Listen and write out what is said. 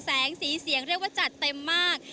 แสงสีเสียงเรียกว่าจัดเต็มมาก